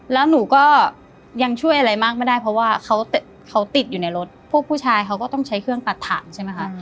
แล้วหนูก็ยังช่วยอะไรมากไม่ได้เพราะว่าเขาติดอยู่ในรถพวกผู้ชายเขาก็ต้องใช้เครื่องตัดถังใช่ไหมคะ